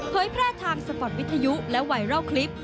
แพร่ทางสปอร์ตวิทยุและไวรัลคลิป